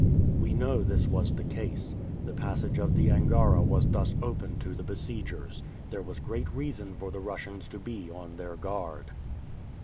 We know this was the case. The passage of the Angara was thus open to the besiegers. There was great reason for the Russians to be on their guard.